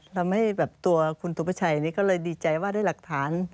ทำให้แบบตัวคุณสุภาชัยก็เลยดีใจว่าด้วยหลักฐาน